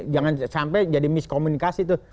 jangan sampai jadi miskomunikasi tuh